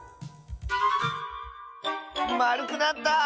まるくなった！